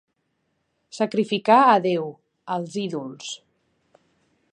Sacrificar a Déu, als ídols.